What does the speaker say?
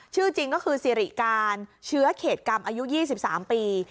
ชื่อจริงก็คือสิริการเชื้อเขตกรรมอายุ๒๓ปี